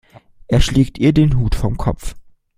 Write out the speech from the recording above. Er schlägt ihr den Hut vom Kopf.